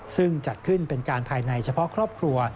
ซึ่งจัดขึ้นเป็นการภายในเฉพาะครอบครัว